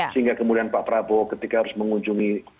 sehingga kemudian pak prabowo ketika harus mengunjungi